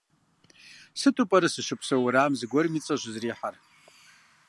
Сыту пӏэрэ сыщыпсэу уэрамым зыгуэрым и цӏэ щӏызэрихьэр?